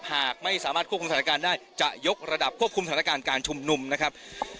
หากไม่สามารถควบคุมสถานการณ์ได้จะยกระดับควบคุมสถานการณ์การชุมนุมนะครับ